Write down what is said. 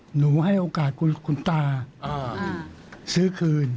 หนูให้โอกาสคุณตาซื้อคืน